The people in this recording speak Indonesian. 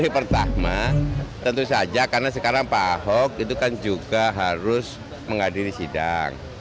pertama tentu saja karena sekarang pak ahok itu kan juga harus menghadiri sidang